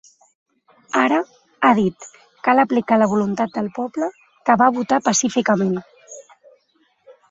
Ara, ha dit, cal aplicar la voluntat del poble que va votar pacíficament.